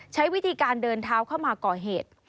ใช้วิธีการเดินเท้าเข้ามาก่อเหตุ